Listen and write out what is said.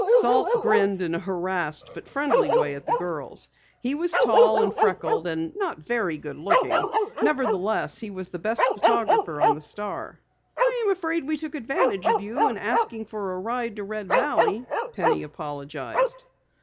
Salt grinned in a harassed but friendly way at the girls. He was tall and freckled and not very good looking. Nevertheless, he was the best photographer on the Star. "I'm afraid we took advantage of you in asking for a ride to Red Valley," Penny apologized.